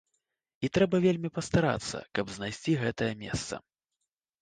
І трэба вельмі пастарацца, каб знайсці гэтае месца.